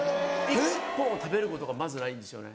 １本を食べることがまずないんですよね。